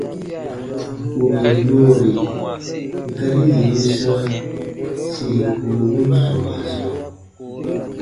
Bù bè nɔɔri gari yì yu sãa siri kowobun sɔmaa sɔɔ,